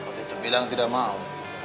waktu itu bilang tidak mau